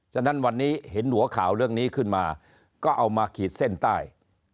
ฉะนั้นวันนี้เห็นหัวข่าวเรื่องนี้ขึ้นมาก็เอามาขีดเส้นใต้